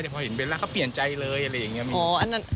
พอเห็นเป็นแล้วเขาเปลี่ยนใจเลยอะไรอย่างนี้